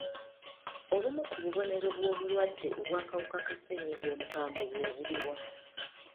Obumu ku bubonero bw'obulwadde obw'akawuka ka ssennyiga omukambwe bwe buliwa?